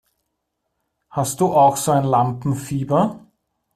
Hast du auch so ein Lampenfieber?